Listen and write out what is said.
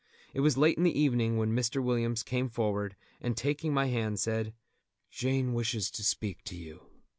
It was late in the evening when Mr. Williams came forward, and taking my hand said: "Jane wishes to speak to you."